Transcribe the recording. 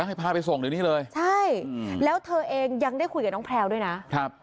ให้พาไปส่งเดี๋ยวนี้เลยใช่แล้วเธอเองยังได้คุยกับน้องแพลวด้วยนะครับ